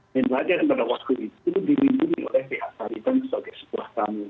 penelajaran pada waktu itu diwimpuni oleh pihak taliban sebagai sebuah tamu